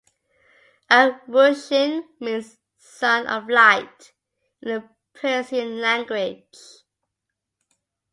Abd-ru-shin means "Son of Light" in the Persian language.